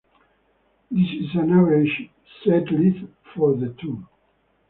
This is an average setlist for the tour.